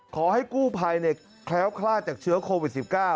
ขอให้กู้ภัยแคล้วคลาดจากเชื้อโควิด๑๙